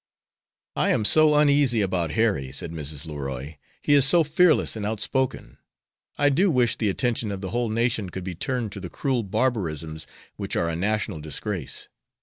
"I am so uneasy about Harry," said Mrs. Leroy. "He is so fearless and outspoken. I do wish the attention of the whole nation could be turned to the cruel barbarisms which are a national disgrace.